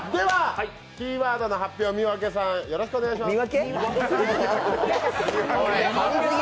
キーワードの発表、三宅さん、よろしくお願いします。